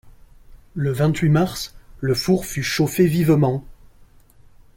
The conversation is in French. Le vingt-huit mars, le four fut chauffé vivement.